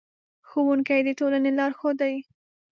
ښوونکي د ټولنې لارښود دي.